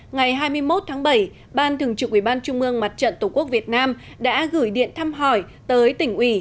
ngày hai mươi một tháng bảy ban thường trực ubnd tổ quốc việt nam đã gửi điện thăm hỏi tới tỉnh ủy